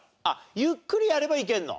ゆっくりやればいけるの？